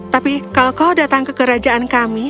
tapi kalau kau datang ke kerajaan kami